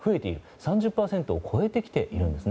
３０％を超えてきているんです。